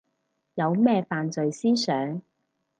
有咩犯罪思想